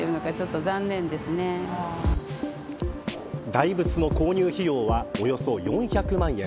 大仏の購入費用はおよそ４００万円。